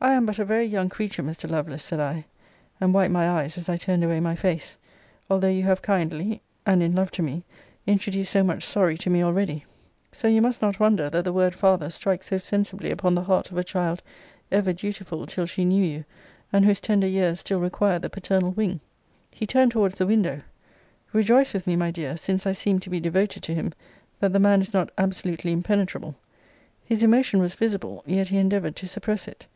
I am but a very young creature, Mr. Lovelace, said I, [and wiped my eyes as I turned away my face,] although you have kindly, and in love to me, introduced so much sorry to me already: so you must not wonder, that the word father strikes so sensibly upon the heart of a child ever dutiful till she knew you, and whose tender years still require the paternal wing. He turned towards the window [rejoice with me, my dear, since I seem to be devoted to him, that the man is not absolutely impenetrable!] His emotion was visible; yet he endeavoured to suppress it.